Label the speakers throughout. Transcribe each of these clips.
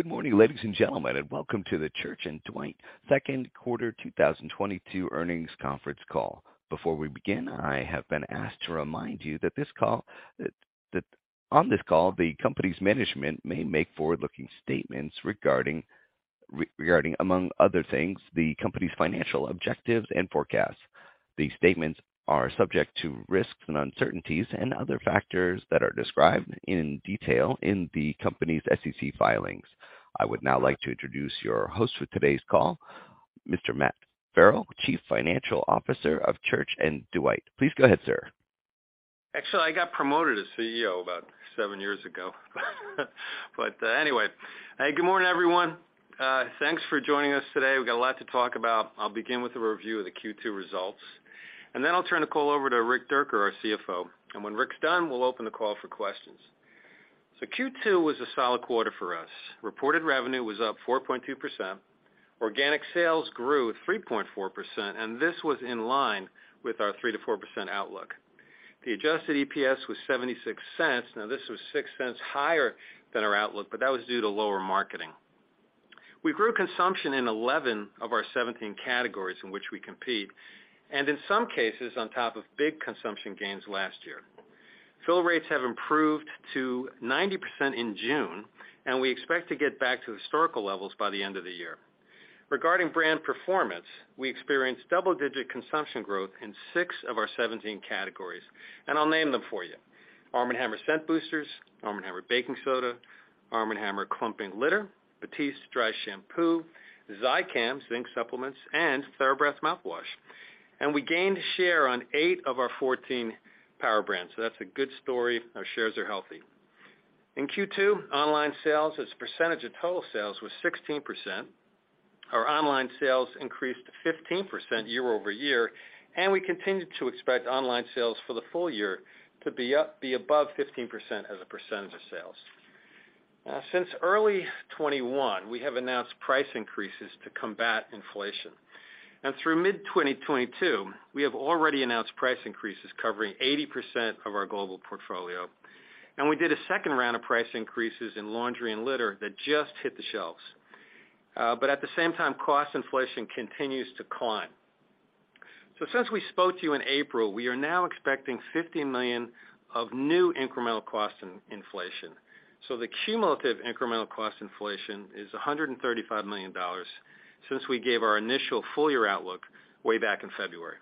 Speaker 1: Good morning, ladies and gentlemen, and welcome to the Church & Dwight second quarter 2022 earnings conference call. Before we begin, I have been asked to remind you that on this call, the company's management may make forward-looking statements regarding, among other things, the company's financial objectives and forecasts. These statements are subject to risks and uncertainties and other factors that are described in detail in the company's SEC filings. I would now like to introduce your host for today's call, Mr. Matt Farrell, Chief Executive Officer of Church & Dwight. Please go ahead, sir.
Speaker 2: Actually, I got promoted to CEO about seven years ago, but, anyway. Good morning, everyone. Thanks for joining us today. We've got a lot to talk about. I'll begin with a review of the Q2 results, and then I'll turn the call over to Rick Dierker, our CFO. When Rick's done, we'll open the call for questions. Q2 was a solid quarter for us. Reported revenue was up 4.2%. Organic sales grew 3.4%, and this was in line with our 3%-4% outlook. The adjusted EPS was $0.76. Now this was $0.06 higher than our outlook, but that was due to lower marketing. We grew consumption in 11 of our 17 categories in which we compete, and in some cases, on top of big consumption gains last year. Fill rates have improved to 90% in June, and we expect to get back to historical levels by the end of the year. Regarding brand performance, we experienced double-digit consumption growth in six of our 17 categories, and I'll name them for you. Arm & Hammer Scent Boosters, Arm & Hammer Baking Soda, Arm & Hammer Clumping Litter, Batiste Dry Shampoo, Zicam Zinc Supplements, and TheraBreath Mouthwash. We gained share on eight of our 14 power brands, so that's a good story. Our shares are healthy. In Q2, online sales as a percentage of total sales was 16%. Our online sales increased 15% year-over-year, and we continued to expect online sales for the full year to be above 15% as a percentage of sales. Now since early 2021, we have announced price increases to combat inflation. Through mid-2022, we have already announced price increases covering 80% of our global portfolio. We did a second round of price increases in laundry and litter that just hit the shelves. At the same time, cost inflation continues to climb. Since we spoke to you in April, we are now expecting $50 million of new incremental cost inflation. The cumulative incremental cost inflation is $135 million since we gave our initial full year outlook way back in February.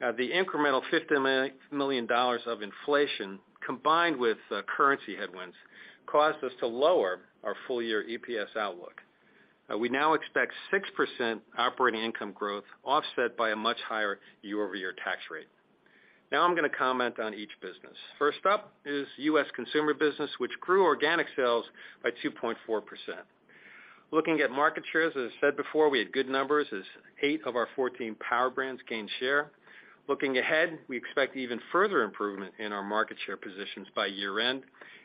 Speaker 2: Now the incremental $50 million of inflation, combined with currency headwinds, caused us to lower our full year EPS outlook. We now expect 6% operating income growth offset by a much higher year-over-year tax rate. Now I'm gonna comment on each business. First up is U.S. consumer business, which grew organic sales by 2.4%. Looking at market shares, as I said before, we had good numbers as eight of our 14 power brands gained share. Looking ahead, we expect even further improvement in our market share positions by year end,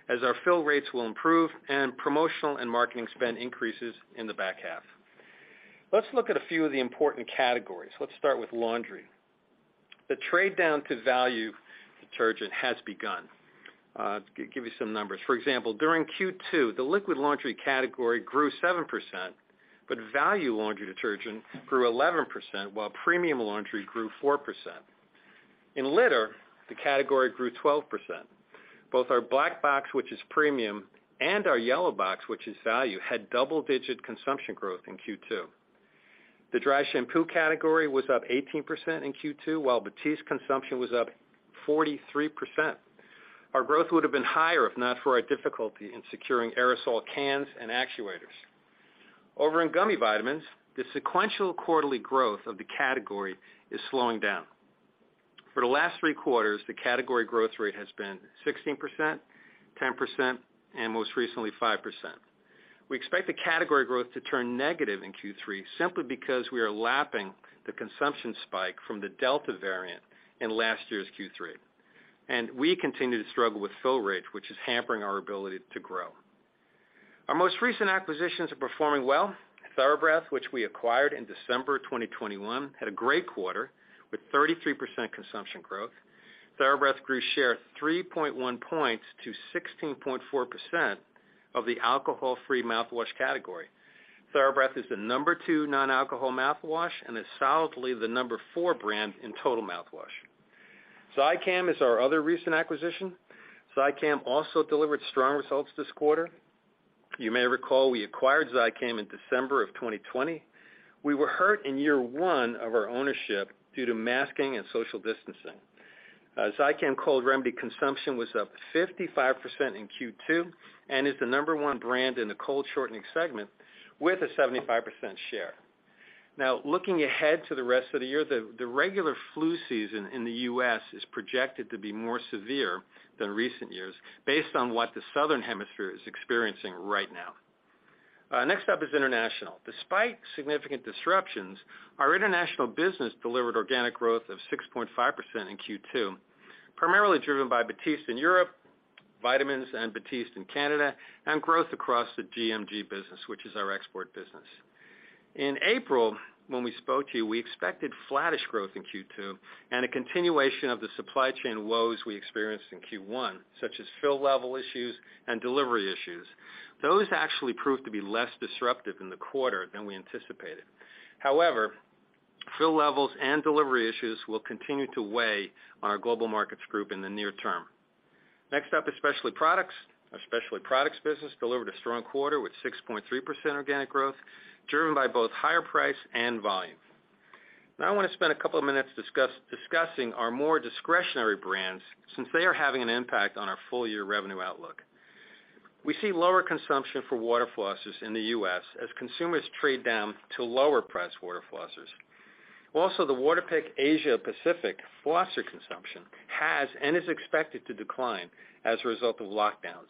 Speaker 2: as our fill rates will improve and promotional and marketing spend increases in the back half. Let's look at a few of the important categories. Let's start with laundry. The trade down to value detergent has begun. Give you some numbers. For example, during Q2, the liquid laundry category grew 7%, but value laundry detergent grew 11%, while premium laundry grew 4%. In litter, the category grew 12%. Both our black box, which is premium, and our yellow box, which is value, had double-digit consumption growth in Q2. The dry shampoo category was up 18% in Q2, while Batiste consumption was up 43%. Our growth would have been higher, if not for our difficulty in securing aerosol cans and actuators. Over in gummy vitamins, the sequential quarterly growth of the category is slowing down. For the last three quarters, the category growth rate has been 16%, 10%, and most recently 5%. We expect the category growth to turn negative in Q3 simply because we are lapping the consumption spike from the Delta variant in last year's Q3. We continue to struggle with fill rate, which is hampering our ability to grow. Our most recent acquisitions are performing well. TheraBreath, which we acquired in December 2021, had a great quarter with 33% consumption growth. TheraBreath grew share 3.1 points to 16.4% of the alcohol-free mouthwash category. TheraBreath is the number two non-alcohol mouthwash and is solidly the number four brand in total mouthwash. Zicam is our other recent acquisition. Zicam also delivered strong results this quarter. You may recall we acquired Zicam in December of 2020. We were hurt in year one of our ownership due to masking and social distancing. Zicam cold remedy consumption was up 55% in Q2 and is the number one brand in the cold shortening segment with a 75% share. Now, looking ahead to the rest of the year, the regular flu season in the U.S. is projected to be more severe than recent years based on what the Southern Hemisphere is experiencing right now. Next up is international. Despite significant disruptions, our international business delivered organic growth of 6.5% in Q2, primarily driven by Batiste in Europe, vitamins and Batiste in Canada, and growth across the GMG business, which is our export business. In April, when we spoke to you, we expected flattish growth in Q2 and a continuation of the supply chain lows we experienced in Q1, such as fill level issues and delivery issues. Those actually proved to be less disruptive in the quarter than we anticipated. However, fill levels and delivery issues will continue to weigh on our global markets group in the near term. Next up, Specialty Products. Our Specialty Products business delivered a strong quarter with 6.3% organic growth, driven by both higher price and volume. Now I wanna spend a couple of minutes discussing our more discretionary brands since they are having an impact on our full year revenue outlook. We see lower consumption for water flossers in the U.S. as consumers trade down to lower priced water flossers. Also, the Waterpik Asia Pacific flosser consumption has, and is expected to decline as a result of lockdowns.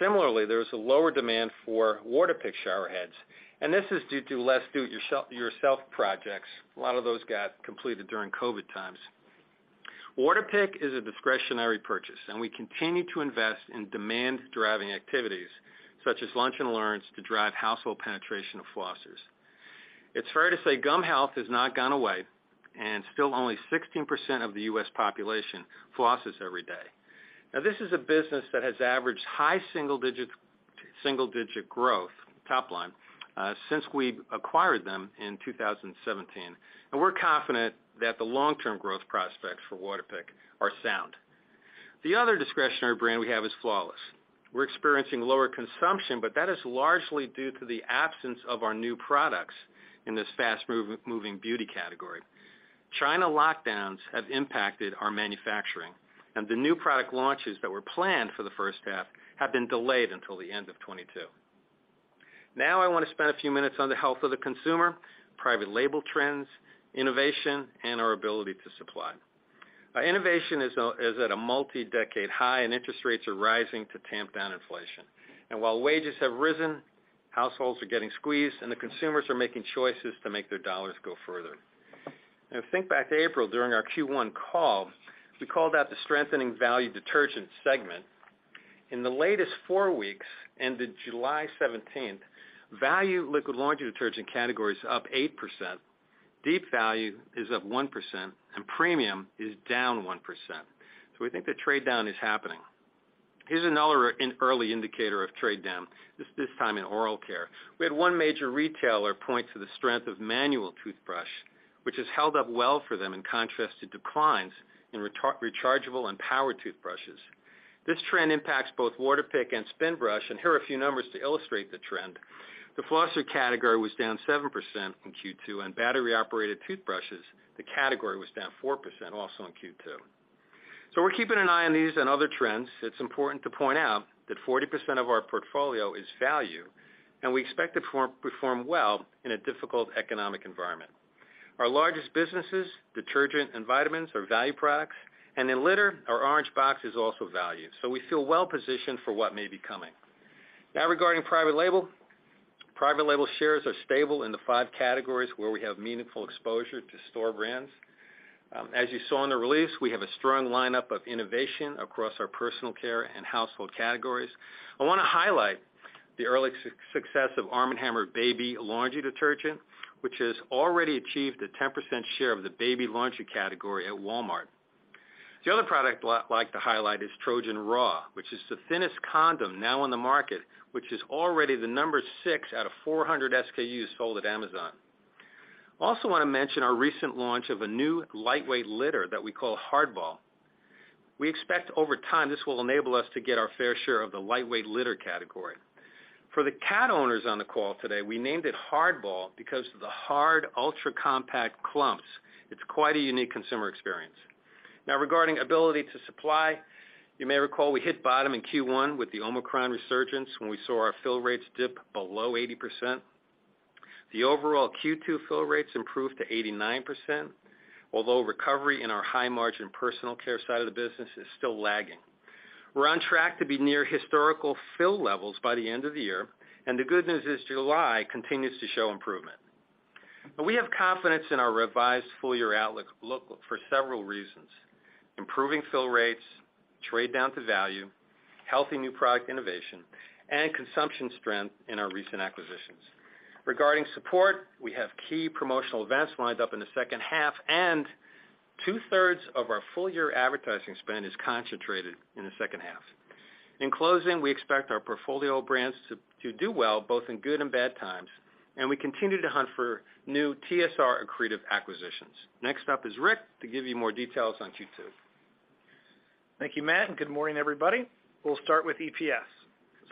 Speaker 2: Similarly, there is a lower demand for Waterpik shower heads, and this is due to less do-it-yourself projects. A lot of those got completed during COVID times. Waterpik is a discretionary purchase, and we continue to invest in demand driving activities such as lunch and learns to drive household penetration of flossers. It's fair to say gum health has not gone away, and still only 16% of the U.S. population flosses every day. Now, this is a business that has averaged high single digit growth top line, since we acquired them in 2017, and we're confident that the long-term growth prospects for Waterpik are sound. The other discretionary brand we have is Flawless. We're experiencing lower consumption, but that is largely due to the absence of our new products in this fast moving beauty category. China lockdowns have impacted our manufacturing, and the new product launches that were planned for the first half have been delayed until the end of 2022. Now I wanna spend a few minutes on the health of the consumer, private label trends, innovation, and our ability to supply. Our innovation is at a multi-decade high, and interest rates are rising to tamp down inflation. While wages have risen, households are getting squeezed, and the consumers are making choices to make their dollars go further. Now think back to April during our Q1 call, we called out the strengthening value detergent segment. In the latest four weeks, ended July seventeenth, value liquid laundry detergent category is up 8%, deep value is up 1%, and premium is down 1%. We think the trade down is happening. Here's another early indicator of trade down, this time in oral care. We had one major retailer point to the strength of manual toothbrush, which has held up well for them in contrast to declines in rechargeable and power toothbrushes. This trend impacts both Waterpik and Spinbrush, and here are a few numbers to illustrate the trend. The flosser category was down 7% in Q2, and battery-operated toothbrushes, the category was down 4% also in Q2. We're keeping an eye on these and other trends. It's important to point out that 40% of our portfolio is value, and we expect it perform well in a difficult economic environment. Our largest businesses, detergent and vitamins, are value products, and in litter, our orange box is also value, so we feel well positioned for what may be coming. Now regarding private label, private label shares are stable in the five categories where we have meaningful exposure to store brands. As you saw in the release, we have a strong lineup of innovation across our personal care and household categories. I wanna highlight the early success of Arm & Hammer Baby laundry detergent, which has already achieved a 10% share of the baby laundry category at Walmart. The other product I'd like to highlight is Trojan Raw, which is the thinnest condom now on the market, which is already the number six out of 400 SKUs sold at Amazon. Also wanna mention our recent launch of a new lightweight litter that we call HardBall. We expect over time, this will enable us to get our fair share of the lightweight litter category. For the cat owners on the call today, we named it HardBall because of the hard, ultra compact clumps. It's quite a unique consumer experience. Now regarding ability to supply, you may recall we hit bottom in Q1 with the Omicron resurgence when we saw our fill rates dip below 80%. The overall Q2 fill rates improved to 89%, although recovery in our high margin personal care side of the business is still lagging. We're on track to be near historical fill levels by the end of the year, and the good news is July continues to show improvement. We have confidence in our revised full year outlook for several reasons. Improving fill rates, trade down to value, healthy new product innovation, and consumption strength in our recent acquisitions. Regarding support, we have key promotional events lined up in the second half, and 2/3 of our full year advertising spend is concentrated in the second half. In closing, we expect our portfolio brands to do well both in good and bad times, and we continue to hunt for new TSR accretive acquisitions. Next up is Rick to give you more details on Q2.
Speaker 3: Thank you, Matt, and good morning, everybody. We'll start with EPS.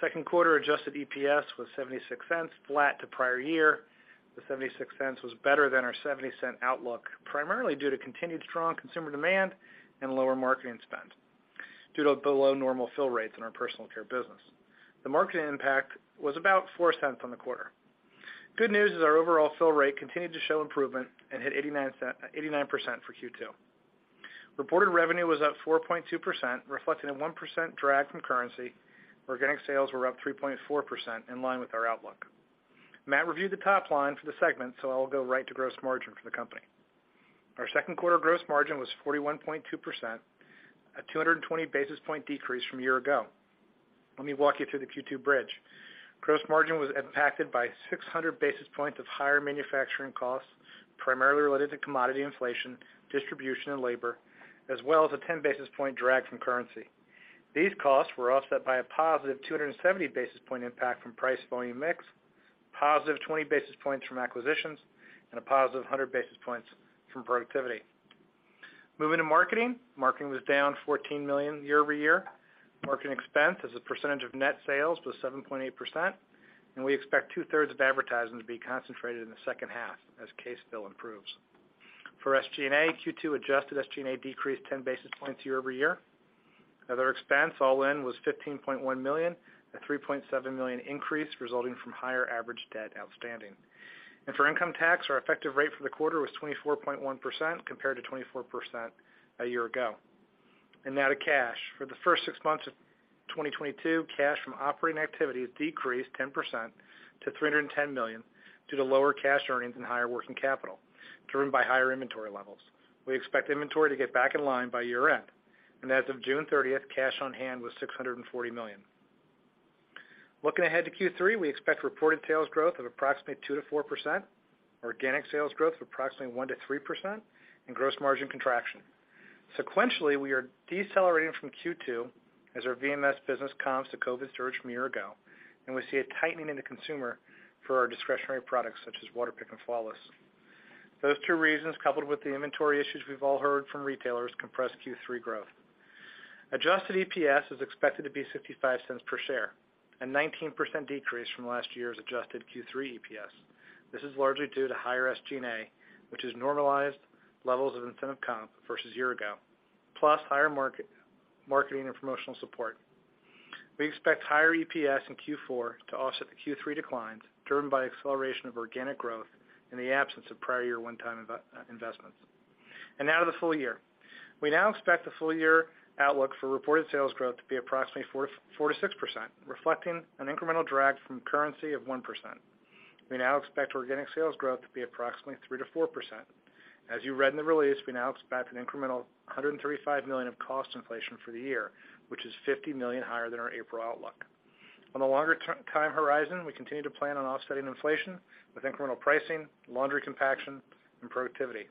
Speaker 3: Second quarter adjusted EPS was $0.76, flat to prior year. The $0.76 was better than our $0.70 outlook, primarily due to continued strong consumer demand and lower marketing spend due to below normal fill rates in our personal care business. The marketing impact was about $0.04 on the quarter. Good news is our overall fill rate continued to show improvement and hit 89% for Q2. Reported revenue was up 4.2%, reflecting a 1% drag from currency. Organic sales were up 3.4%, in line with our outlook. Matt reviewed the top line for the segment, so I'll go right to gross margin for the company. Our second quarter gross margin was 41.2%, a 220 basis point decrease from a year ago. Let me walk you through the Q2 bridge. Gross margin was impacted by 600 basis points of higher manufacturing costs, primarily related to commodity inflation, distribution and labor, as well as a 10 basis point drag from currency. These costs were offset by a positive 270 basis point impact from price volume mix, positive 20 basis points from acquisitions, and a positive 100 basis points from productivity. Moving to marketing. Marketing was down $14 million year-over-year. Marketing expense as a percentage of net sales was 7.8%, and we expect 2/3 of advertising to be concentrated in the second half as case bill improves. For SG&A, Q2 adjusted SG&A decreased 10 basis points year-over-year. Other expense all in was $15.1 million, a $3.7 million increase resulting from higher average debt outstanding. For income tax, our effective rate for the quarter was 24.1% compared to 24% a year ago. Now to cash. For the first six months of 2022, cash from operating activities decreased 10% to $310 million due to lower cash earnings and higher working capital, driven by higher inventory levels. We expect inventory to get back in line by year-end, and as of June 30, cash on hand was $640 million. Looking ahead to Q3, we expect reported sales growth of approximately 2%-4%, organic sales growth of approximately 1%-3%, and gross margin contraction. Sequentially, we are decelerating from Q2 as our VMS business comps to COVID surge from a year ago, and we see a tightening in the consumer for our discretionary products such as Waterpik and Flawless. Those two reasons, coupled with the inventory issues we've all heard from retailers, compress Q3 growth. Adjusted EPS is expected to be $0.55 per share, a 19% decrease from last year's adjusted Q3 EPS. This is largely due to higher SG&A, which is normalized levels of incentive comp versus year ago, plus higher marketing and promotional support. We expect higher EPS in Q4 to offset the Q3 declines, driven by acceleration of organic growth in the absence of prior year one-time investments. Now to the full year. We now expect the full-year outlook for reported sales growth to be approximately 4%-6%, reflecting an incremental drag from currency of 1%. We now expect organic sales growth to be approximately 3%-4%. As you read in the release, we now expect an incremental $135 million of cost inflation for the year, which is $50 million higher than our April outlook. On a longer time horizon, we continue to plan on offsetting inflation with incremental pricing, laundry compaction, and productivity.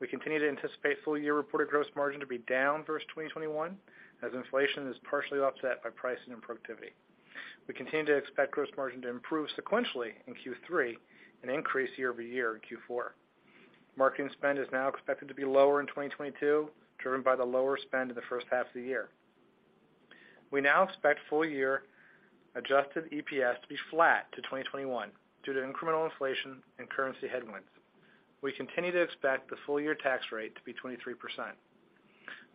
Speaker 3: We continue to anticipate full-year reported gross margin to be down versus 2021, as inflation is partially offset by pricing and productivity. We continue to expect gross margin to improve sequentially in Q3 and increase year-over-year in Q4. Marketing spend is now expected to be lower in 2022, driven by the lower spend in the first half of the year. We now expect full year adjusted EPS to be flat to 2021 due to incremental inflation and currency headwinds. We continue to expect the full year tax rate to be 23%.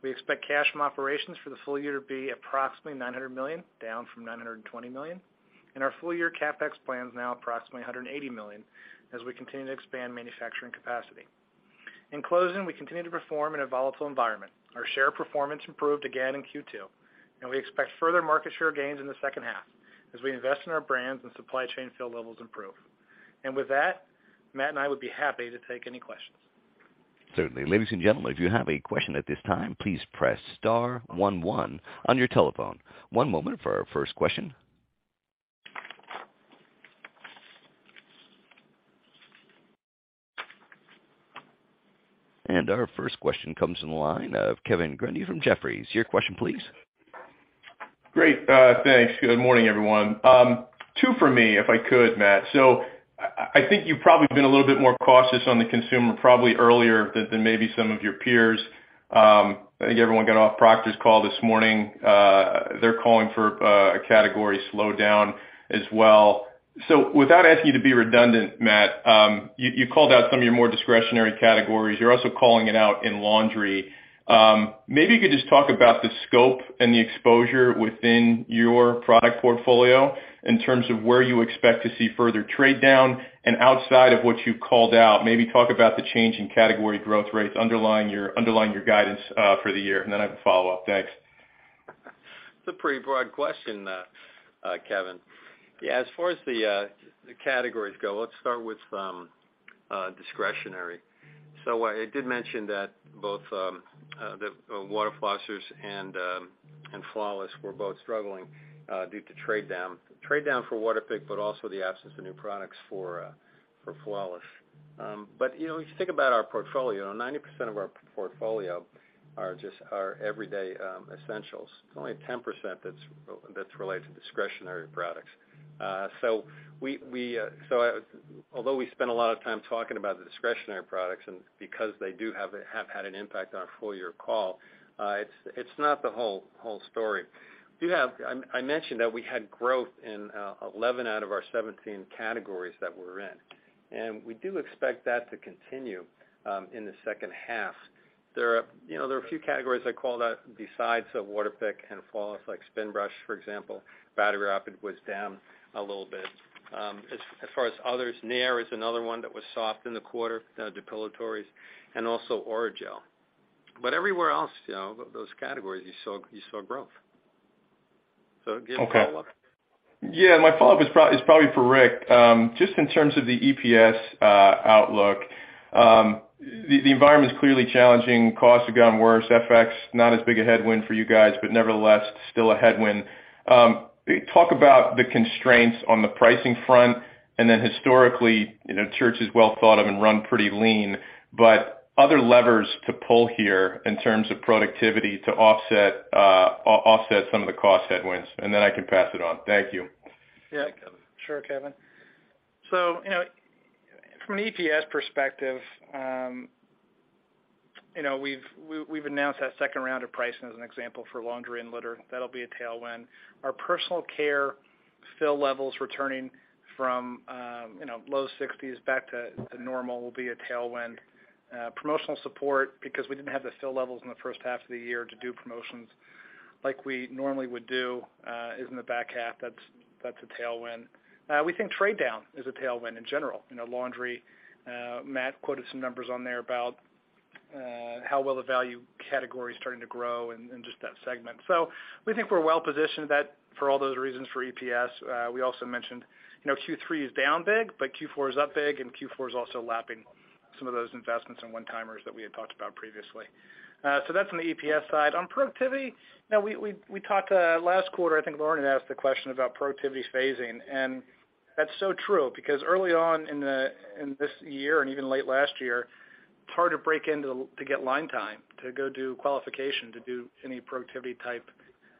Speaker 3: We expect cash from operations for the full year to be approximately $900 million, down from $920 million, and our full-year CapEx plan is now approximately $180 million as we continue to expand manufacturing capacity. In closing, we continue to perform in a volatile environment. Our share performance improved again in Q2, and we expect further market share gains in the second half as we invest in our brands and supply chain fill levels improve. With that, Matt and I would be happy to take any questions.
Speaker 1: Certainly. Ladies and gentlemen, if you have a question at this time, please press star one one on your telephone. One moment for our first question. Our first question comes from the line of Kevin Grundy from Jefferies. Your question, please.
Speaker 4: Great. Thanks. Good morning, everyone. Two for me, if I could, Matt. I think you've probably been a little bit more cautious on the consumer, probably earlier than maybe some of your peers. I think everyone got off Procter's call this morning. They're calling for a category slowdown as well. Without asking you to be redundant, Matt, you called out some of your more discretionary categories. You're also calling it out in laundry. Maybe you could just talk about the scope and the exposure within your product portfolio in terms of where you expect to see further trade down and outside of what you called out, maybe talk about the change in category growth rates underlying your guidance for the year. Then I have a follow-up. Thanks.
Speaker 2: It's a pretty broad question, Kevin. Yeah, as far as the categories go, let's start with discretionary. I did mention that both Waterpik and Flawless were both struggling due to trade down. Trade down for Waterpik, but also the absence of new products for Flawless. But you know, if you think about our portfolio, 90% of our portfolio are just our everyday essentials. It's only 10% that's related to discretionary products. Although we spend a lot of time talking about the discretionary products and because they do have had an impact on our full year call, it's not the whole story. I mentioned that we had growth in 11 out of our 17 categories that we're in, and we do expect that to continue in the second half. There are, you know, a few categories I called out besides the Waterpik and Flawless, like Spinbrush, for example. Battery toothbrush was down a little bit. As far as others, Nair is another one that was soft in the quarter, the depilatories, and also Orajel. Everywhere else, you know, those categories you saw growth. So again.
Speaker 4: Okay. Yeah, my follow-up is probably for Rick. Just in terms of the EPS outlook, the environment is clearly challenging. Costs have gotten worse. FX, not as big a headwind for you guys, but nevertheless still a headwind. Talk about the constraints on the pricing front and then historically, you know, Church is well thought of and run pretty lean, but other levers to pull here in terms of productivity to offset some of the cost headwinds, and then I can pass it on. Thank you.
Speaker 3: Yeah, sure, Kevin. You know, from an EPS perspective, you know, we've announced that second round of pricing as an example for laundry and litter. That'll be a tailwind. Our personal care fill levels returning from, you know, low 60s back to normal will be a tailwind. Promotional support, because we didn't have the fill levels in the first half of the year to do promotions like we normally would do, is in the back half. That's a tailwind. We think trade down is a tailwind in general. You know, laundry, Matt quoted some numbers on there about how well the value category is starting to grow and just that segment. We think we're well positioned that for all those reasons for EPS. We also mentioned, you know, Q3 is down big, but Q4 is up big, and Q4 is also lapping some of those investments in one-timers that we had talked about previously. That's on the EPS side. On productivity, you know, we talked last quarter, I think Lauren had asked the question about productivity phasing, and that's so true because early on in this year and even late last year, it's hard to break into to get line time to go do qualification to do any productivity type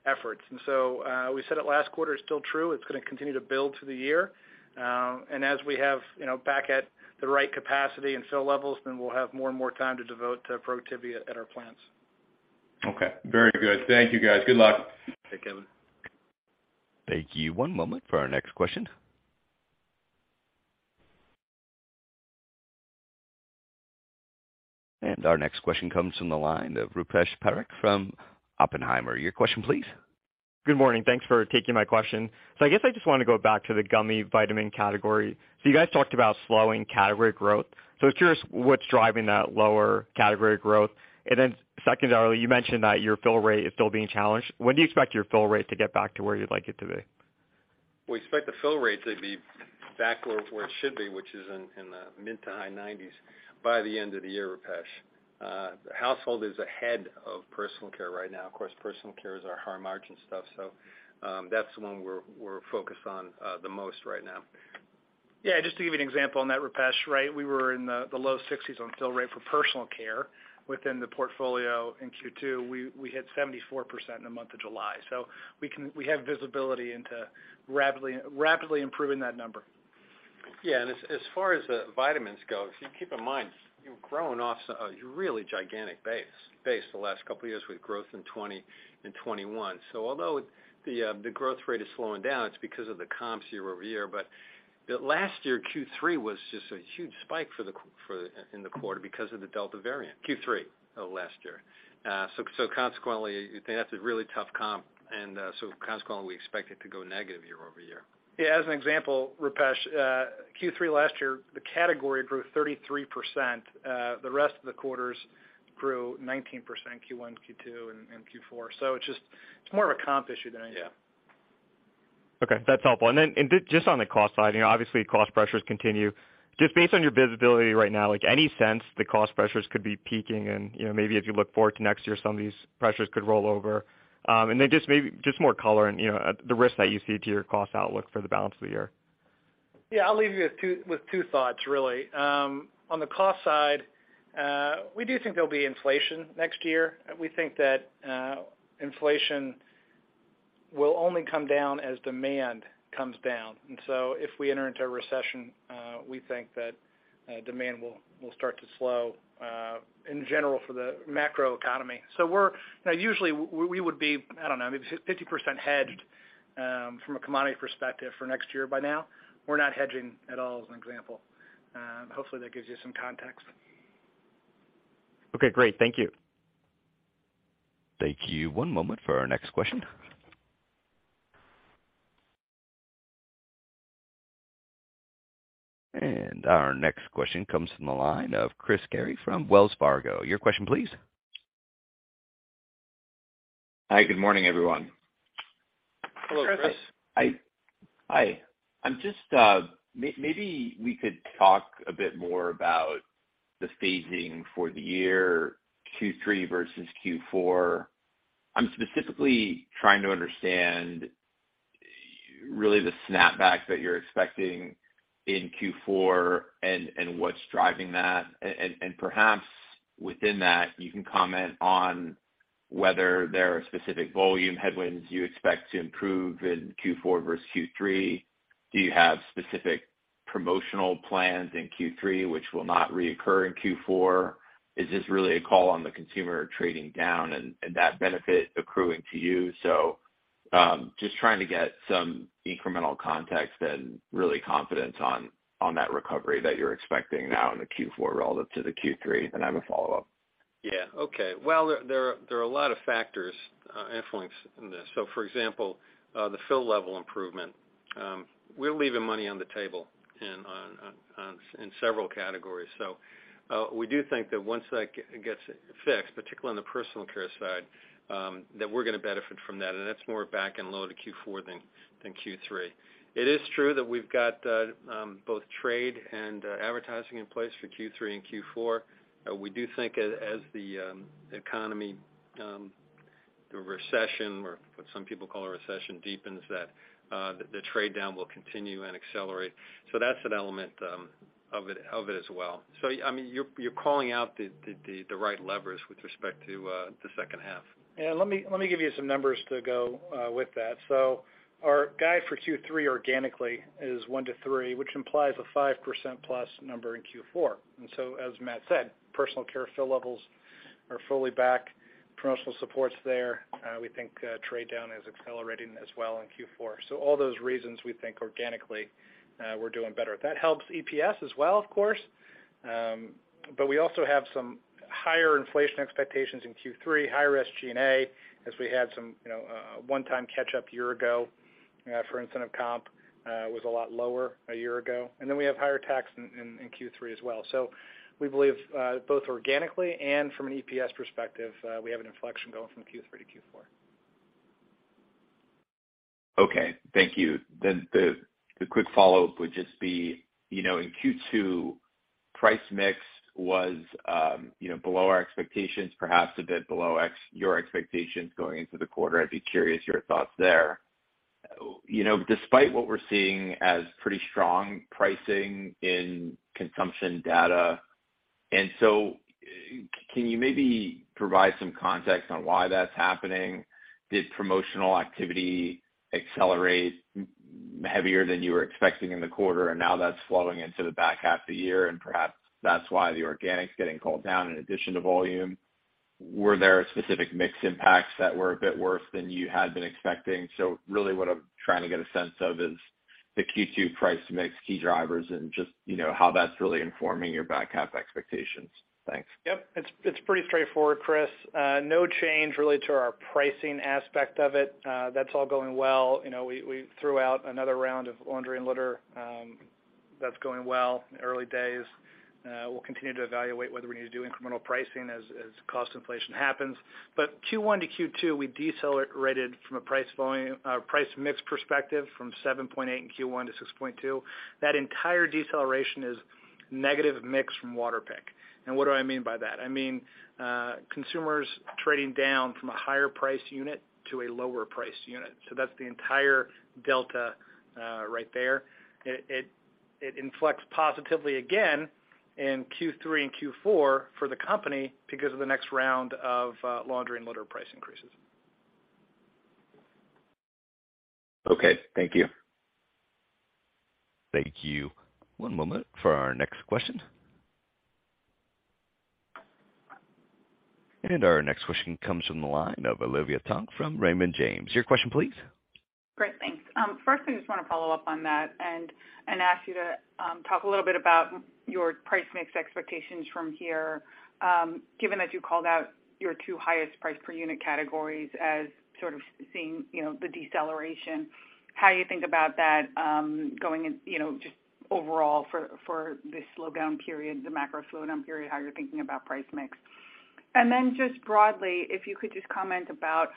Speaker 3: efforts. We said it last quarter, it's still true. It's gonna continue to build through the year. As we have, you know, back at the right capacity and fill levels, then we'll have more and more time to devote to productivity at our plants.
Speaker 4: Okay. Very good. Thank you, guys. Good luck.
Speaker 2: Okay, Kevin.
Speaker 1: Thank you. One moment for our next question. Our next question comes from the line of Rupesh Parikh from Oppenheimer. Your question please.
Speaker 5: Good morning. Thanks for taking my question. I guess I just wanna go back to the gummy vitamin category. You guys talked about slowing category growth. I was curious what's driving that lower category growth. Then secondarily, you mentioned that your fill rate is still being challenged. When do you expect your fill rate to get back to where you'd like it to be?
Speaker 2: We expect the fill rates to be back where it should be, which is in the mid- to high-90s% by the end of the year, Rupesh. Household is ahead of personal care right now. Of course, personal care is our higher margin stuff, so that's the one we're focused on the most right now.
Speaker 3: Yeah, just to give you an example on that, Rupesh, right? We were in the low 60s on fill rate for personal care within the portfolio in Q2. We hit 74% in the month of July, so we have visibility into rapidly improving that number.
Speaker 2: Yeah. As far as the vitamins go, if you keep in mind, you're growing off a really gigantic base the last couple of years with growth in 2020 and 2021. Although the growth rate is slowing down, it's because of the comps year-over-year. Last year, Q3 was just a huge spike in the quarter because of the Delta variant, Q3 of last year. Consequently, that's a really tough comp. Consequently, we expect it to go negative year-over-year.
Speaker 3: Yeah, as an example, Rupesh, Q3 last year, the category grew 33%. The rest of the quarters grew 19% Q1, Q2, and Q4. It's just more of a comp issue than anything.
Speaker 5: Okay, that's helpful. Just on the cost side, you know, obviously cost pressures continue. Just based on your visibility right now, like any sense the cost pressures could be peaking and, you know, maybe if you look forward to next year, some of these pressures could roll over? Just maybe just more color and, you know, the risk that you see to your cost outlook for the balance of the year.
Speaker 3: I'll leave you with two thoughts really. On the cost side, we do think there'll be inflation next year. We think that inflation will only come down as demand comes down. If we enter into a recession, we think that demand will start to slow in general for the macro economy. You know, usually we would be, I don't know, maybe 50% hedged from a commodity perspective for next year by now. We're not hedging at all as an example. Hopefully that gives you some context.
Speaker 5: Okay, great. Thank you.
Speaker 1: Thank you. One moment for our next question. Our next question comes from the line of Chris Carey from Wells Fargo. Your question please.
Speaker 6: Hi, good morning, everyone.
Speaker 3: Hello, Chris.
Speaker 6: Hi. I'm just maybe we could talk a bit more about the staging for the year, Q3 versus Q4. I'm specifically trying to understand really the snapback that you're expecting in Q4 and what's driving that. Perhaps within that, you can comment on whether there are specific volume headwinds you expect to improve in Q4 versus Q3. Do you have specific promotional plans in Q3, which will not reoccur in Q4? Is this really a call on the consumer trading down and that benefit accruing to you? Just trying to get some incremental context and really confidence on that recovery that you're expecting now in the Q4 relative to the Q3. I have a follow-up.
Speaker 2: Well, there are a lot of factors influencing this. For example, the fill level improvement, we're leaving money on the table in several categories. We do think that once that gets fixed, particularly on the personal care side, that we're gonna benefit from that, and that's more back-end loaded to Q4 than Q3. It is true that we've got both trade and advertising in place for Q3 and Q4. We do think as the economy, the recession or what some people call a recession deepens that the trade down will continue and accelerate. That's an element of it as well. I mean, you're calling out the right levers with respect to the second half.
Speaker 3: Let me give you some numbers to go with that. Our guide for Q3 organically is 1%-3%, which implies a 5%+ number in Q4. As Matt said, personal care fill levels are fully back, promotional support's there. We think trade down is accelerating as well in Q4. So all those reasons, we think organically, we're doing better. That helps EPS as well, of course. But we also have some higher inflation expectations in Q3, higher SG&A, as we had some, you know, one-time catch-up year ago, for incentive comp, was a lot lower a year ago. Then we have higher tax in Q3 as well. So we believe both organically and from an EPS perspective, we have an inflection going from Q3 to Q4.
Speaker 6: Okay. Thank you. The quick follow-up would just be, you know, in Q2, price mix was, you know, below our expectations, perhaps a bit below your expectations going into the quarter. I'd be curious your thoughts there. You know, despite what we're seeing as pretty strong pricing in consumption data. Can you maybe provide some context on why that's happening? Did promotional activity accelerate more heavily than you were expecting in the quarter, and now that's slowing into the back half of the year, and perhaps that's why the organic is getting called down in addition to volume? Were there specific mix impacts that were a bit worse than you had been expecting? Really what I'm trying to get a sense of is the Q2 price mix key drivers and just, you know, how that's really informing your back half expectations. Thanks.
Speaker 3: It's pretty straightforward, Chris. No change really to our pricing aspect of it. That's all going well. You know, we threw out another round of laundry and litter. That's going well in the early days. We'll continue to evaluate whether we need to do incremental pricing as cost inflation happens. Q1 to Q2, we decelerated from a price mix perspective from 7.8% in Q1 to 6.2%. That entire deceleration is negative mix from Waterpik. What do I mean by that? I mean, consumers trading down from a higher priced unit to a lower priced unit. That's the entire delta right there. It inflects positively again in Q3 and Q4 for the company because of the next round of laundry and litter price increases.
Speaker 6: Okay, thank you.
Speaker 1: Thank you. One moment for our next question. Our next question comes from the line of Olivia Tong from Raymond James. Your question please.
Speaker 7: Great. Thanks. First, I just wanna follow up on that and ask you to talk a little bit about your price mix expectations from here, given that you called out your two highest price per unit categories as sort of seeing, you know, the deceleration, how you think about that, going in, you know, just overall for this slowdown period, the macro slowdown period, how you're thinking about price mix. Just broadly, if you could just comment about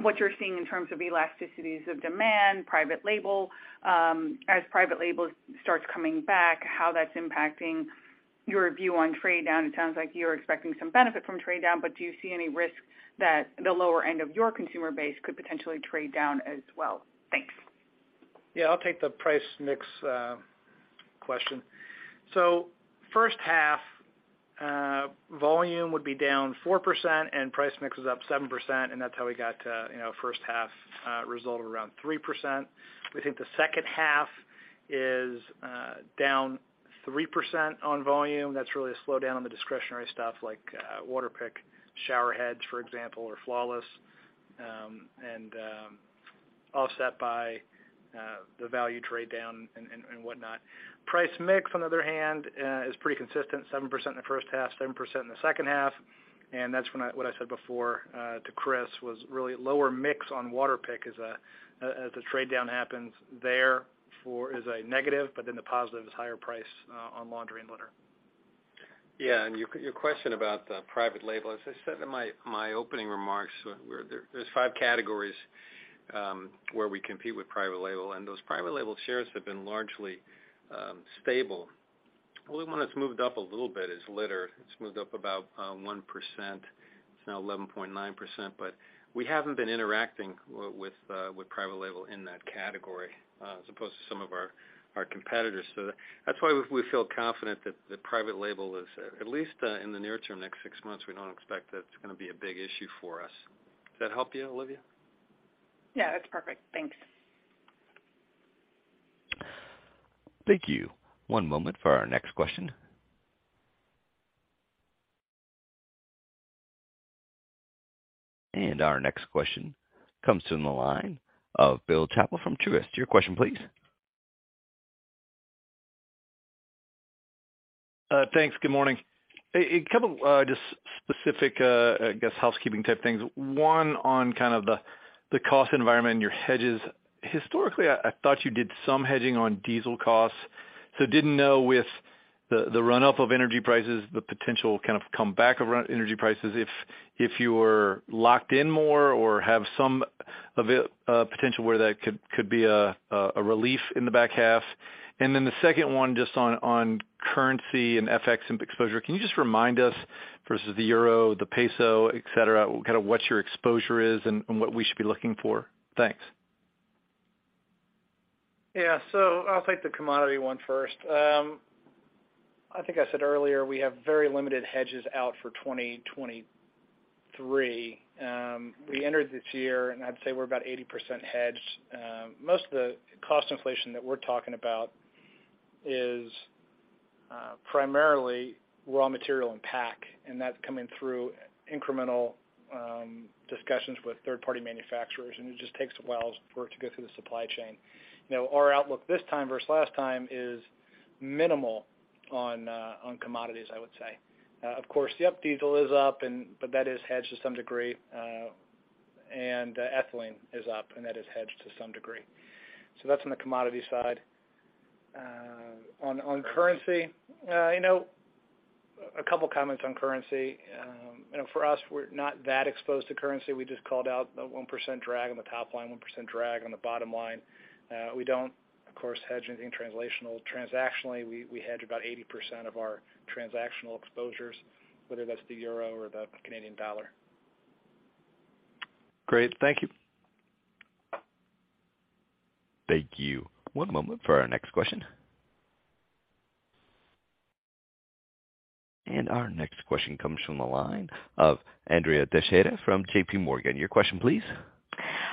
Speaker 7: what you're seeing in terms of elasticities of demand, private label, as private label starts coming back, how that's impacting your view on trade down. It sounds like you're expecting some benefit from trade down, but do you see any risk that the lower end of your consumer base could potentially trade down as well? Thanks.
Speaker 3: Yeah, I'll take the price mix question. First half volume would be down 4% and price mix is up 7%, and that's how we got to, you know, first half result of around 3%. We think the second half is down 3% on volume. That's really a slowdown on the discretionary stuff like Waterpik shower heads, for example, or Flawless, offset by the value trade down and whatnot. Price mix, on the other hand, is pretty consistent, 7% in the first half, 7% in the second half. That's what I said before to Chris was really lower mix on Waterpik is a, as the trade down happens therefore is a negative, but then the positive is higher price on laundry and litter.
Speaker 2: Yeah. Your question about the private label, as I said in my opening remarks, where there's five categories where we compete with private label, and those private label shares have been largely stable. The only one that's moved up a little bit is litter. It's moved up about 1%. It's now 11.9%. But we haven't been interacting with private label in that category, as opposed to some of our competitors. That's why we feel confident that the private label is, at least, in the near term, next six months, we don't expect that it's gonna be a big issue for us. Does that help you, Olivia?
Speaker 7: Yeah, that's perfect. Thanks.
Speaker 1: Thank you. One moment for our next question. Our next question comes from the line of Bill Chappell from Truist. Your question, please.
Speaker 8: Thanks. Good morning. A couple, just specific, I guess, housekeeping-type things. One, on kind of the cost environment and your hedges. Historically, I thought you did some hedging on diesel costs. Didn't know with the runoff of energy prices, the potential kind of comeback of energy prices if you were locked in more or have some of it, potential where that could be a relief in the back half. The second one just on currency and FX exposure. Can you just remind us versus the euro, the peso, et cetera, kind of what your exposure is and what we should be looking for? Thanks.
Speaker 3: Yeah. I'll take the commodity one first. I think I said earlier, we have very limited hedges out for 2023. We entered this year, and I'd say we're about 80% hedged. Most of the cost inflation that we're talking about is primarily raw material and pack, and that's coming through incremental discussions with third-party manufacturers, and it just takes a while for it to go through the supply chain. You know, our outlook this time versus last time is minimal on commodities, I would say. Of course, diesel is up and, but that is hedged to some degree, and ethylene is up, and that is hedged to some degree. That's on the commodity side. On currency, you know, a couple comments on currency. You know, for us, we're not that exposed to currency. We just called out the 1% drag on the top line, 1% drag on the bottom line. We don't, of course, hedge anything translational. Transactionally, we hedge about 80% of our transactional exposures, whether that's the euro or the Canadian dollar.
Speaker 8: Great. Thank you.
Speaker 1: Thank you. One moment for our next question. Our next question comes from the line of Andrea Teixeira from JPMorgan. Your question, please.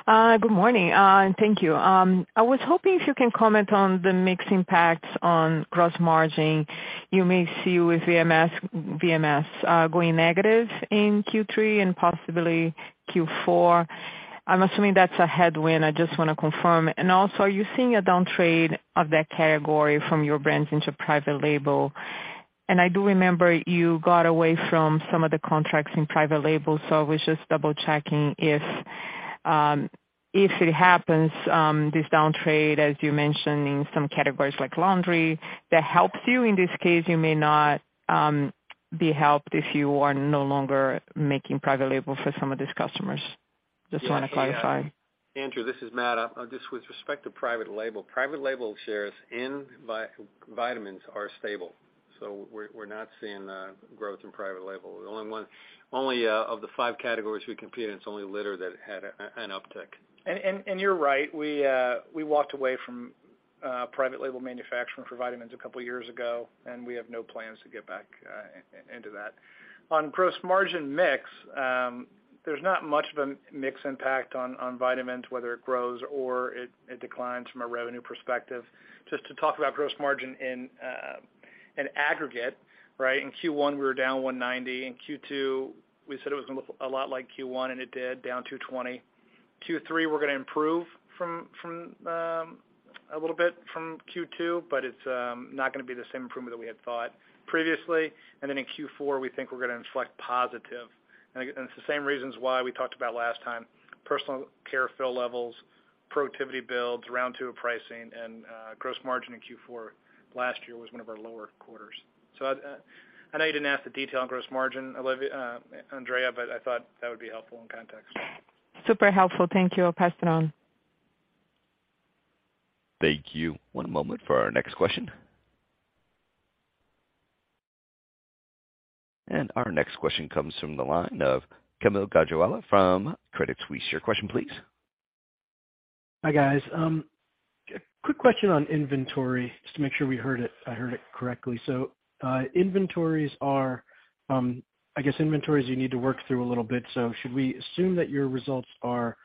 Speaker 9: Good morning and thank you. I was hoping if you can comment on the mix impacts on gross margin you may see with VMS going negative in Q3 and possibly Q4. I'm assuming that's a headwind. I just wanna confirm. Are you seeing a down trade of that category from your brands into private label? I do remember you got away from some of the contracts in private label, so I was just double-checking if it happens this down trade, as you mentioned in some categories like laundry, that helps you in this case, you may not be helped if you are no longer making private label for some of these customers. Just wanna clarify.
Speaker 2: Yeah, hey, Andrea, this is Matt. Just with respect to private label, private label shares in vitamins are stable. We're not seeing growth in private label. Only of the five categories we compete in, it's only litter that had an uptick.
Speaker 3: You're right. We walked away from private label manufacturing for vitamins a couple years ago, and we have no plans to get back into that. On gross margin mix, there's not much of a mix impact on vitamins, whether it grows or it declines from a revenue perspective. Just to talk about gross margin in aggregate, right? In Q1, we were down 190. In Q2, we said it was gonna look a lot like Q1, and it did, down 220. Q3, we're gonna improve a little bit from Q2, but it's not gonna be the same improvement that we had thought previously. In Q4, we think we're gonna inflect positive. It's the same reasons why we talked about last time. Personal care fill levels, productivity builds, round two of pricing, and gross margin in Q4 last year was one of our lower quarters. I know you didn't ask the detail on gross margin, Olivia, Andrea, but I thought that would be helpful in context.
Speaker 9: Super helpful. Thank you. I'll pass it on.
Speaker 1: Thank you. One moment for our next question. Our next question comes from the line of Kaumil Gajrawala from Credit Suisse. Your question, please.
Speaker 10: Hi, guys. A quick question on inventory, just to make sure we heard it, I heard it correctly. Inventories, I guess, you need to work through a little bit. Should we assume that your results are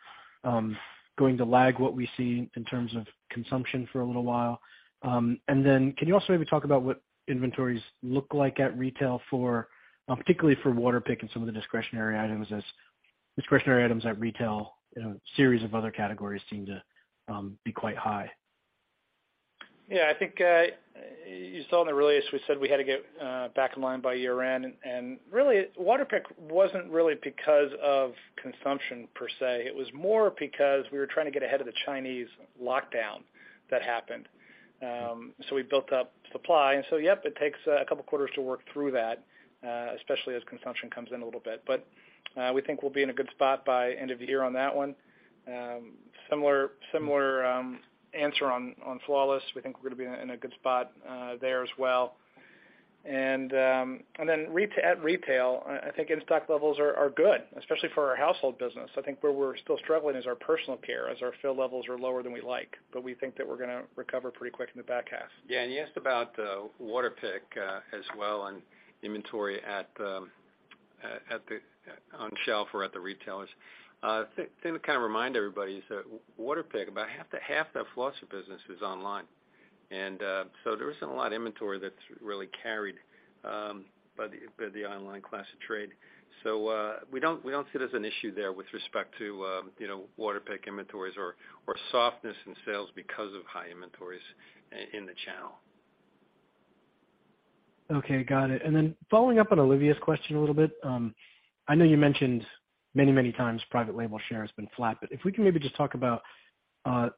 Speaker 10: going to lag what we see in terms of consumption for a little while? And then can you also maybe talk about what inventories look like at retail for, particularly for Waterpik and some of the discretionary items, as discretionary items at retail in a series of other categories seem to be quite high?
Speaker 3: Yeah. I think you saw in the release, we said we had to get back in line by year-end. Really, Waterpik wasn't really because of consumption per se. It was more because we were trying to get ahead of the Chinese lockdown that happened. We built up supply. Yep, it takes a couple quarters to work through that, especially as consumption comes in a little bit. We think we'll be in a good spot by end of the year on that one. Similar answer on Flawless. We think we're gonna be in a good spot there as well. At retail, I think in-stock levels are good, especially for our household business. I think where we're still struggling is our personal care, as our fill levels are lower than we like. We think that we're gonna recover pretty quick in the back half.
Speaker 2: Yeah. You asked about Waterpik as well and inventory at the on shelf or at the retailers. The thing to kind of remind everybody is that Waterpik, about half the flosser business is online. There isn't a lot of inventory that's really carried by the online class of trade. We don't see it as an issue there with respect to you know Waterpik inventories or softness in sales because of high inventories in the channel.
Speaker 10: Okay. Got it. Following up on Olivia's question a little bit, I know you mentioned many times private label share has been flat, but if we can maybe just talk about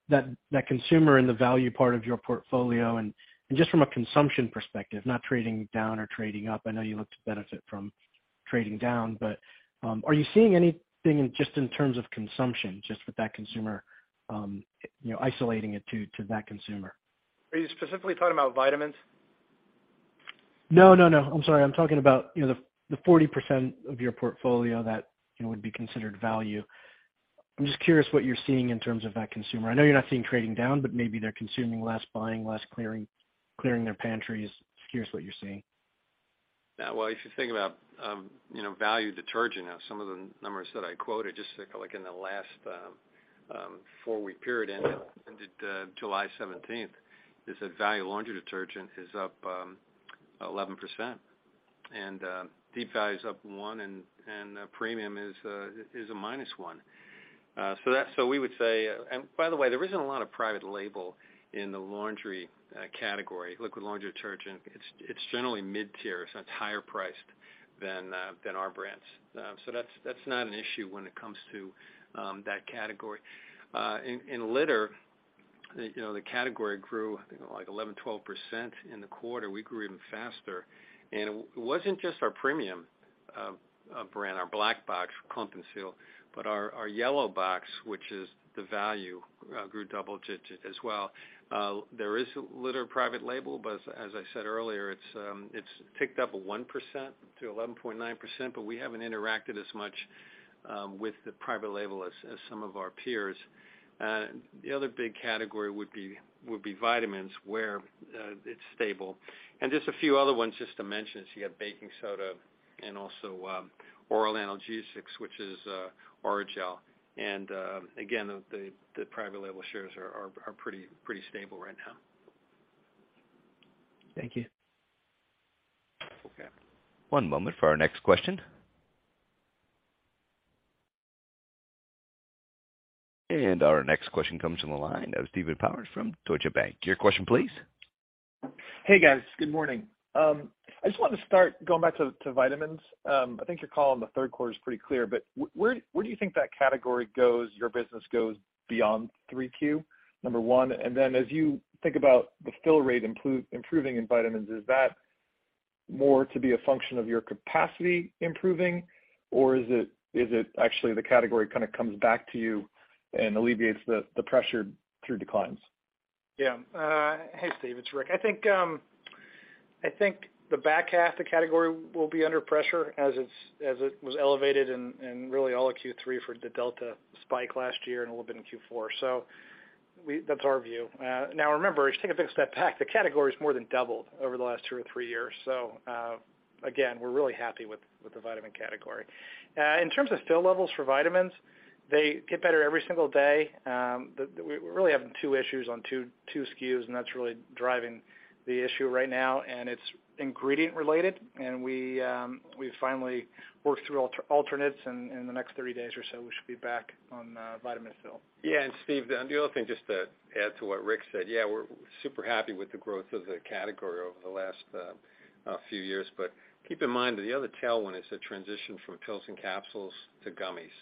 Speaker 10: that consumer in the value part of your portfolio and just from a consumption perspective, not trading down or trading up. I know you look to benefit from trading down, but are you seeing anything just in terms of consumption just with that consumer, you know, isolating it to that consumer?
Speaker 2: Are you specifically talking about vitamins?
Speaker 10: No. I'm sorry. I'm talking about, you know, the 40% of your portfolio that, you know, would be considered value. I'm just curious what you're seeing in terms of that consumer. I know you're not seeing trading down, but maybe they're consuming less, buying less, clearing their pantries. Curious what you're seeing.
Speaker 2: Yeah. Well, if you think about, you know, value detergent, now some of the numbers that I quoted, just like in the last four-week period ended July 17, is that value laundry detergent is up 11%. Deep value is up 1%, and premium is -1%. We would say. By the way, there isn't a lot of private label in the laundry category, liquid laundry detergent. It's generally mid-tier, so it's higher priced than our brands. That's not an issue when it comes to that category. In litter, you know, the category grew, you know, like 11%-12% in the quarter. We grew even faster. It wasn't just our premium brand, our black box, Clump & Seal, but our yellow box, which is the value, grew double digits as well. There is litter private label, but as I said earlier, it's ticked up 1% to 11.9%, but we haven't interacted as much with the private label as some of our peers. The other big category would be vitamins, where it's stable. Just a few other ones just to mention is you have baking soda and also oral analgesics, which is Orajel. Again, the private label shares are pretty stable right now.
Speaker 10: Thank you.
Speaker 2: Okay.
Speaker 1: One moment for our next question. Our next question comes from the line of Stephen Powers from Deutsche Bank. Your question please.
Speaker 11: Hey, guys. Good morning. I just wanted to start going back to vitamins. I think your call on the third quarter is pretty clear, but where do you think that category goes, your business goes beyond 3Q, number one? Then as you think about the fill rate improving in vitamins, is that more to be a function of your capacity improving, or is it actually the category kind of comes back to you and alleviates the pressure through declines?
Speaker 3: Yeah. Hey, Stephen, it's Rick. I think the back half the category will be under pressure as it was elevated in really all of Q3 for the Delta spike last year and a little bit in Q4. That's our view. Now remember, if you take a step back, the category has more than doubled over the last two or three years. Again, we're really happy with the vitamin category. In terms of fill levels for vitamins, they get better every single day. We're really having two issues on two SKUs, and that's really driving the issue right now, and it's ingredient related. We finally worked through alternates, and in the next 30 days or so, we should be back on vitamin fill. Yeah.
Speaker 2: Steve, the other thing, just to add to what Rick said, yeah, we're super happy with the growth of the category over the last few years. Keep in mind that the other tailwind is the transition from pills and capsules to gummies.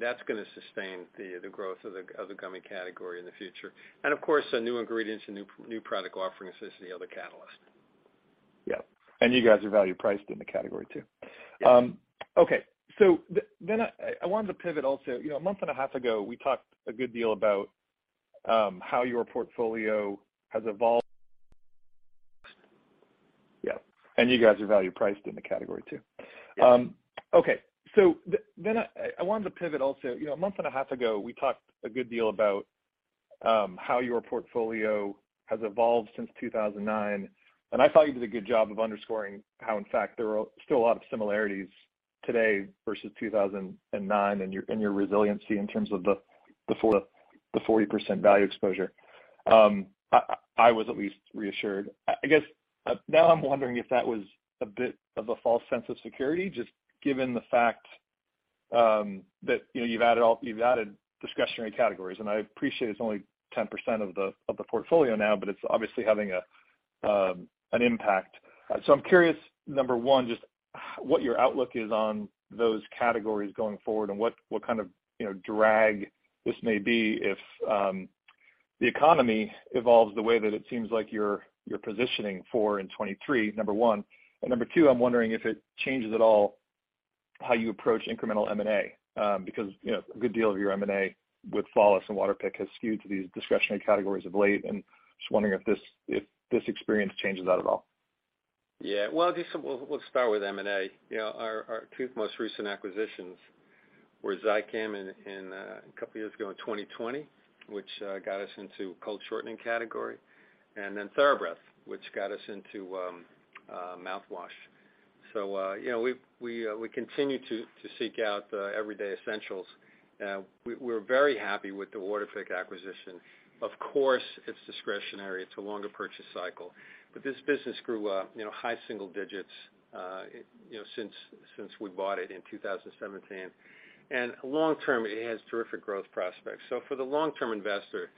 Speaker 2: That's gonna sustain the growth of the gummy category in the future. Of course, the new ingredients and new product offerings is the other catalyst.
Speaker 11: Yeah. You guys are value priced in the category too.
Speaker 2: Yeah.
Speaker 11: Okay. I wanted to pivot also. You know, a month and a half ago, we talked a good deal about how your portfolio has evolved. Yeah. You guys are value priced in the category too.
Speaker 2: Yeah.
Speaker 11: I wanted to pivot also. You know, a month and a half ago, we talked a good deal about how your portfolio has evolved since 2009, and I thought you did a good job of underscoring how, in fact, there are still a lot of similarities today versus 2009 in your resiliency in terms of the 40% value exposure. I was at least reassured. I guess, now I'm wondering if that was a bit of a false sense of security, just given the fact that, you know, you've added discretionary categories, and I appreciate it's only 10% of the portfolio now, but it's obviously having an impact. I'm curious, number one, just what your outlook is on those categories going forward and what kind of, you know, drag this may be if the economy evolves the way that it seems like you're positioning for in 2023, number one. Number two, I'm wondering if it changes at all how you approach incremental M&A, because, you know, a good deal of your M&A with Flawless and Waterpik has skewed to these discretionary categories of late, and just wondering if this experience changes that at all.
Speaker 2: Well, we'll start with M&A. You know, our two most recent acquisitions were Zicam in a couple years ago in 2020, which got us into cold shortening category, and then TheraBreath, which got us into mouthwash. You know, we continue to seek out everyday essentials. We're very happy with the Waterpik acquisition. Of course, it's discretionary. It's a longer purchase cycle, but this business grew high single digits since we bought it in 2017. Long-term, it has terrific growth prospects. For the long-term investor,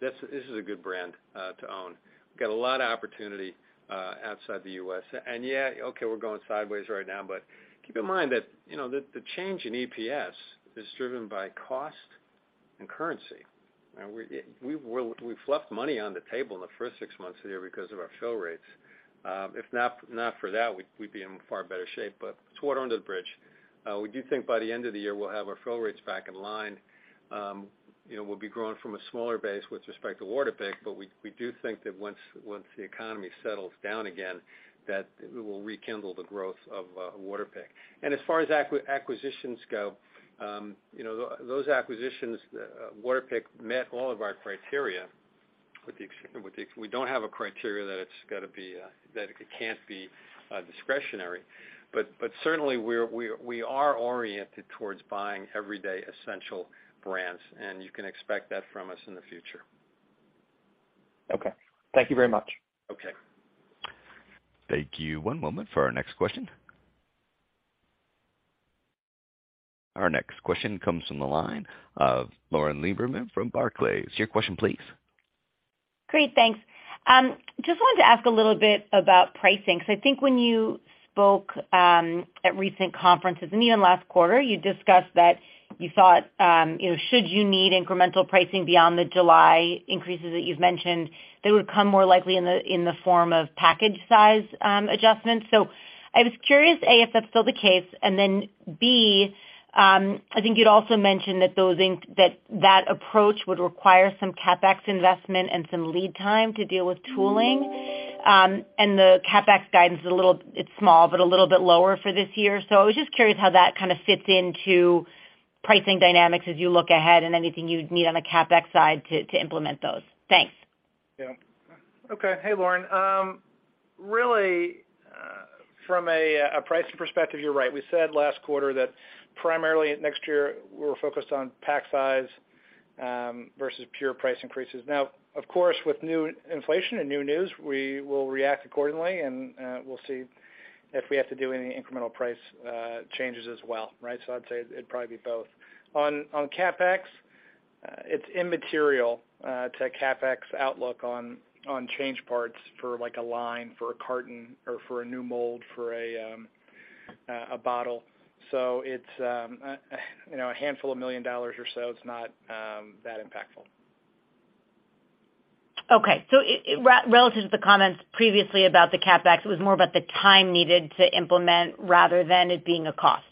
Speaker 2: this is a good brand to own. We've got a lot of opportunity outside the U.S. Yeah, okay, we're going sideways right now, but keep in mind that you know, the change in EPS is driven by cost and currency. We've left money on the table in the first six months of the year because of our fill rates. If not for that, we'd be in far better shape, but it's water under the bridge. We do think by the end of the year, we'll have our fill rates back in line. You know, we'll be growing from a smaller base with respect to Waterpik, but we do think that once the economy settles down again, that we will rekindle the growth of Waterpik. As far as acquisitions go, you know, those acquisitions. Waterpik met all of our criteria. We don't have a criteria that it's gotta be that it can't be discretionary. Certainly, we are oriented towards buying everyday essential brands, and you can expect that from us in the future.
Speaker 11: Okay. Thank you very much.
Speaker 2: Okay.
Speaker 1: Thank you. One moment for our next question. Our next question comes from the line of Lauren Lieberman from Barclays. Your question, please.
Speaker 12: Great, thanks. Just wanted to ask a little bit about pricing, 'cause I think when you spoke at recent conferences and even last quarter, you discussed that you thought, you know, should you need incremental pricing beyond the July increases that you've mentioned, they would come more likely in the form of package size adjustments. I was curious, A, if that's still the case, and then, B, I think you'd also mentioned that approach would require some CapEx investment and some lead time to deal with tooling. The CapEx guidance is a little, it's small, but a little bit lower for this year. I was just curious how that kind of fits into pricing dynamics as you look ahead and anything you'd need on the CapEx side to implement those. Thanks.
Speaker 3: Yeah. Okay. Hey, Lauren. Really, from a pricing perspective, you're right. We said last quarter that primarily next year we're focused on pack size versus pure price increases. Now, of course, with new inflation and new news, we will react accordingly and we'll see if we have to do any incremental price changes as well, right? I'd say it'd probably be both. On CapEx, it's immaterial to CapEx outlook on change parts for, like, a line for a carton or for a new mold for a bottle. It's you know, a handful of a $1 million or so. It's not that impactful.
Speaker 12: Relative to the comments previously about the CapEx, it was more about the time needed to implement rather than it being a cost.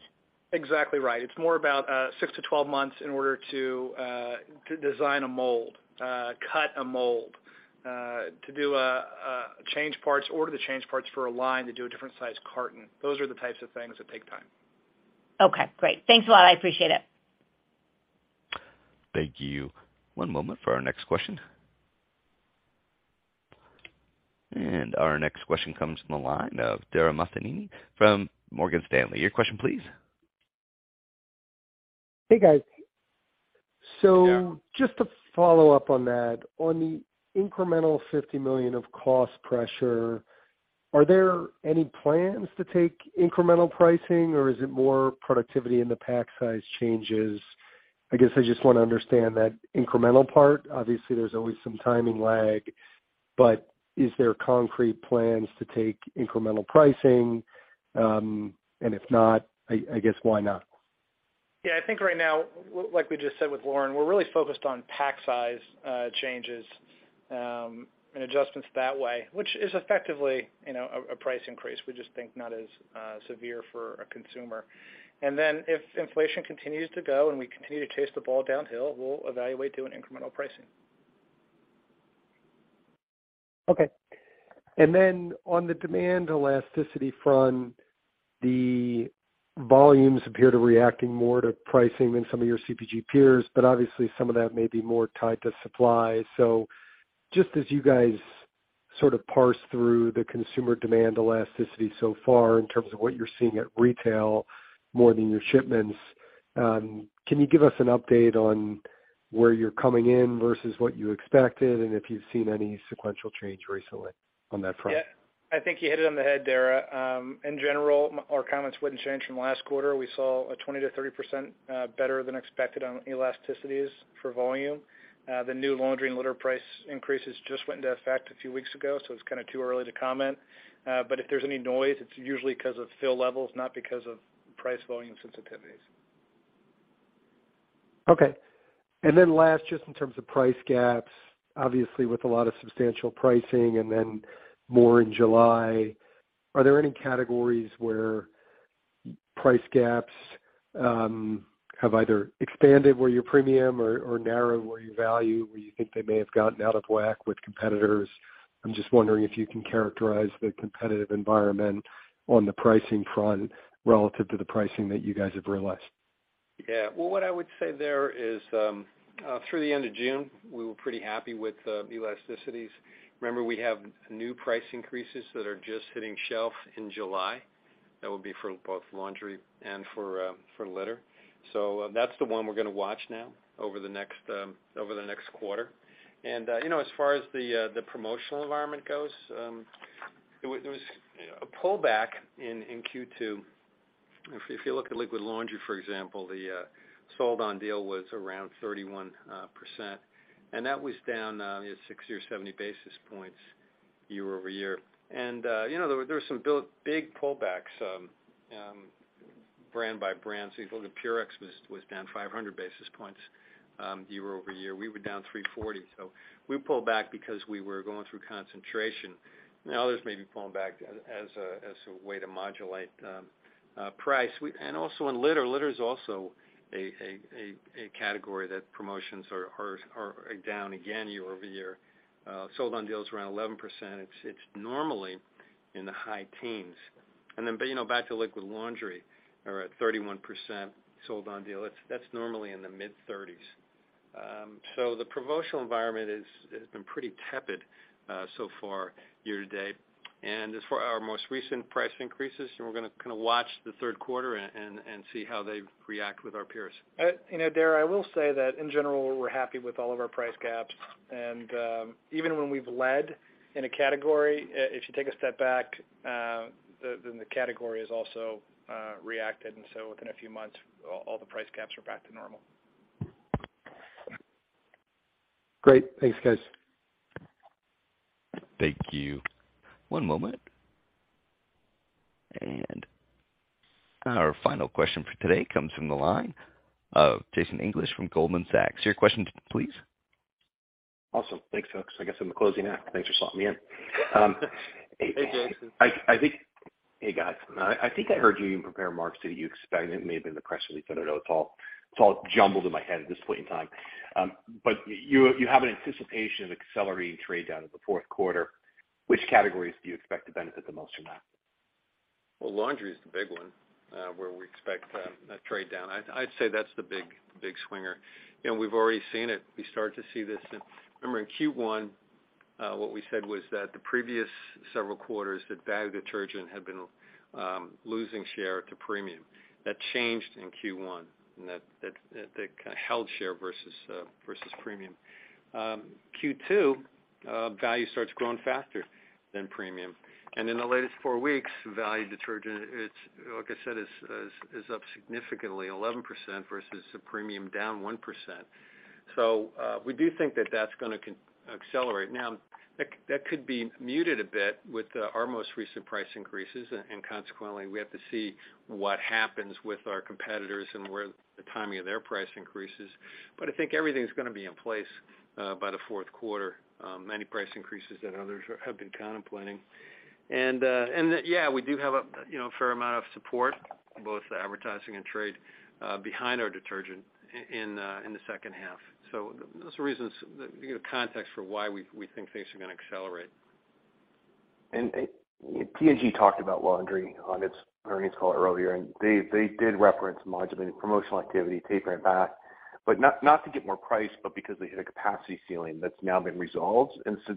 Speaker 3: Exactly right. It's more about six to 12 months in order to design a mold, cut a mold, to do a change parts, order the change parts for a line to do a different size carton. Those are the types of things that take time.
Speaker 12: Okay, great. Thanks a lot. I appreciate it.
Speaker 1: Thank you. One moment for our next question. Our next question comes from the line of Dara Mohsenian from Morgan Stanley. Your question, please.
Speaker 13: Hey, guys.
Speaker 3: Yeah.
Speaker 13: Just to follow up on that, on the incremental $50 million of cost pressure, are there any plans to take incremental pricing, or is it more productivity in the pack size changes? I guess I just wanna understand that incremental part. Obviously, there's always some timing lag, but is there concrete plans to take incremental pricing? If not, I guess, why not?
Speaker 3: Yeah, I think right now, like we just said with Lauren, we're really focused on pack size changes and adjustments that way, which is effectively, you know, a price increase, we just think not as severe for a consumer. Then if inflation continues to go and we continue to chase the ball downhill, we'll evaluate doing incremental pricing.
Speaker 13: On the demand elasticity front, the volumes appear to reacting more to pricing than some of your CPG peers, but obviously some of that may be more tied to supply. Just as you guys sort of parse through the consumer demand elasticity so far in terms of what you're seeing at retail more than your shipments, can you give us an update on where you're coming in versus what you expected and if you've seen any sequential change recently on that front?
Speaker 3: Yeah. I think you hit it on the head, Dara. In general, our comments wouldn't change from last quarter. We saw a 20%-30% better than expected on elasticities for volume. The new laundry and litter price increases just went into effect a few weeks ago, so it's kinda too early to comment. If there's any noise, it's usually 'cause of fill levels, not because of price volume sensitivities.
Speaker 13: Okay. Last, just in terms of price gaps, obviously with a lot of substantial pricing and then more in July, are there any categories where price gaps have either expanded where you're premium or narrowed where you value, where you think they may have gotten out of whack with competitors? I'm just wondering if you can characterize the competitive environment on the pricing front relative to the pricing that you guys have realized.
Speaker 2: Yeah. Well, what I would say there is, through the end of June, we were pretty happy with elasticities. Remember we have new price increases that are just hitting shelf in July. That would be for both laundry and for litter. That's the one we're gonna watch now over the next quarter. You know, as far as the promotional environment goes, there was a pullback in Q2. If you look at liquid laundry, for example, the sold on deal was around 31%, and that was down, you know, 60 or 70 basis points year-over-year. You know, there were some big pullbacks, brand by brand. If you look at Purex was down 500 basis points year-over-year. We were down 340 basis points, so we pulled back because we were going through concentration, and others may be pulling back as a way to modulate price. We also in litter is also a category that promotions are down again year-over-year. Sold on deal is around 11%. It's normally in the high teens. You know, back to liquid laundry are at 31% sold on deal. That's normally in the mid-30s. The promotional environment has been pretty tepid so far year-to-date. As for our most recent price increases, we're gonna kinda watch the third quarter and see how they react with our peers.
Speaker 3: You know, Dara, I will say that in general, we're happy with all of our price gaps, and even when we've led in a category, if you take a step back, then the category has also reacted, and so within a few months, all the price gaps are back to normal.
Speaker 13: Great. Thanks, guys.
Speaker 1: Thank you. One moment. Our final question for today comes from the line of Jason English from Goldman Sachs. Your question, please.
Speaker 14: Awesome. Thanks, folks. I guess I'm the closing act. Thanks for slotting me in.
Speaker 2: Hey, Jason.
Speaker 14: I think. Hey, guys. I think I heard you in prepared remarks that you expect, and it may have been the press release, I don't know. It's all jumbled in my head at this point in time. You have an anticipation of accelerating trade down in the fourth quarter. Which categories do you expect to benefit the most from that?
Speaker 2: Well, laundry is the big one where we expect a trade down. I'd say that's the big swinger. You know, we've already seen it. We start to see this. Remember in Q1 what we said was that the previous several quarters that value detergent had been losing share to premium. That changed in Q1, and that kinda held share versus premium. Q2 value starts growing faster than premium. In the latest 4 weeks, value detergent, like I said, is up significantly 11% versus the premium down 1%. We do think that that's gonna accelerate. Now, that could be muted a bit with our most recent price increases, and consequently, we have to see what happens with our competitors and where the timing of their price increases. I think everything's gonna be in place by the fourth quarter, many price increases that others have been contemplating. That, yeah, we do have a, you know, fair amount of support, both the advertising and trade behind our detergent in the second half. Those are reasons, the, you know, context for why we think things are gonna accelerate.
Speaker 14: P&G talked about laundry on its earnings call earlier, and they did reference modulating promotional activity, tapering back, but not to get more price, but because they hit a capacity ceiling that's now been resolved.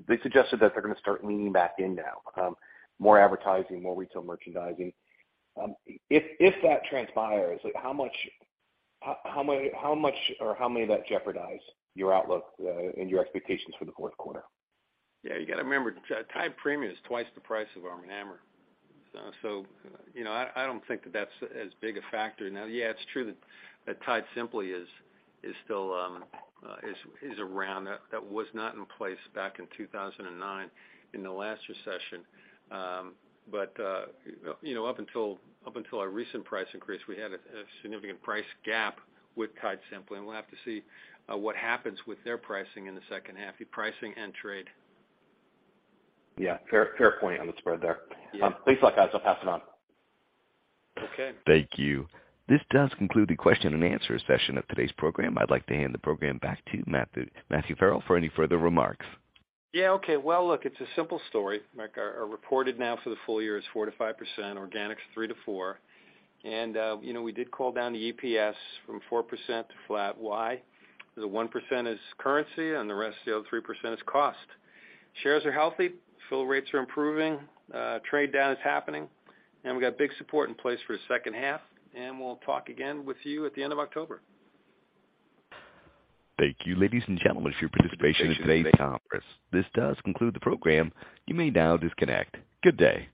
Speaker 14: They suggested that they're gonna start leaning back in now, more advertising, more retail merchandising. If that transpires, how much or how many of that jeopardize your outlook, and your expectations for the fourth quarter?
Speaker 2: Yeah. You gotta remember, Tide Premium is twice the price of Arm & Hammer. You know, I don't think that's as big a factor now. Yeah, it's true that Tide Simply is still around. That was not in place back in 2009 in the last recession. You know, up until our recent price increase, we had a significant price gap with Tide Simply, and we'll have to see what happens with their pricing in the second half, the pricing and trade.
Speaker 14: Yeah. Fair point on the spread there.
Speaker 2: Yeah.
Speaker 14: Thanks a lot, guys. I'll pass it on.
Speaker 2: Okay.
Speaker 1: Thank you. This does conclude the question and answer session of today's program. I'd like to hand the program back to Matthew Farrell for any further remarks.
Speaker 2: Yeah, okay. Well, look, it's a simple story. Like our reported now for the full year is 4%-5%, organics 3%-4%. You know, we did call down the EPS from 4% to flat. Why? The 1% is currency, and the rest, the other 3% is cost. Shares are healthy, fill rates are improving, trade down is happening, and we've got big support in place for the second half, and we'll talk again with you at the end of October.
Speaker 1: Thank you, ladies and gentlemen for your participation in today's conference. This does conclude the program. You may now disconnect. Good day.